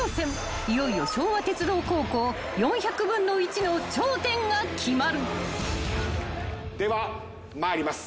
［いよいよ昭和鉄道高校４００分の１の頂点が決まる］では参ります。